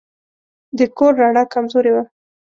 د کور رڼا کمزورې وه.